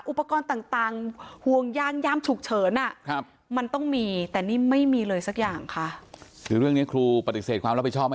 อุปกรณ์ต่างห่วงย่างย่ามฉุกเฉินมันต้องมีแต่นี่ไม่มีเลยสักอย่างค่ะ